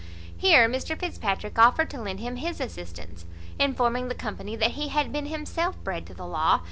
Here Mr Fitzpatrick offered to lend him his assistance, informing the company that he had been himself bred to the law.